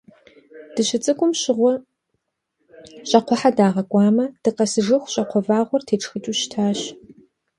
Дыщыцӏыкӏум щыгъуэ щӏакхъуэхьэ дагъакӏуамэ, дыкъэсыжыху, щӏакхъуэ вэгъур тетшхыкӏыу щытащ.